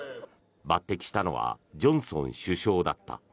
抜てきしたのはジョンソン首相だった。